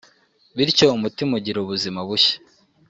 bityo umutima ugira ubuzima bushya